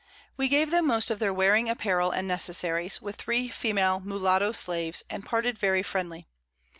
We gave them most of their wearing Apparel and Necessaries, with 3 Female Mullatto Slaves, and parted very friendly.